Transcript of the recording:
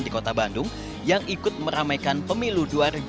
di kota bandung yang ikut meramaikan pemilu dua ribu dua puluh